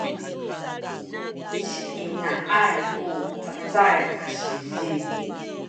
siinai’ay ku cacay a sizi